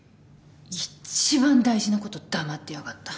一番大事なこと黙ってやがった。